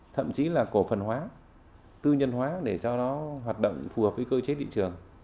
thậm chí là cổ phần hóa tư nhân hóa để cho nó hoạt động phù hợp với cơ chế thị trường